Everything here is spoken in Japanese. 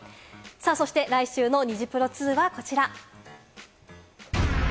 そして来週のニジプロ２はこちら。